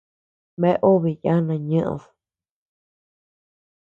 Bea obe yana ñeʼed.